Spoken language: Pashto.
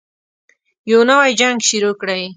يو نـوی جـنګ شروع كړئ.